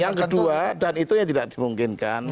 yang kedua dan itu yang tidak dimungkinkan